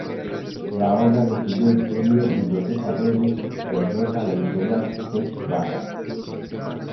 La obra recibió el Premio Biblioteca Breve que otorga la editorial Seix Barral.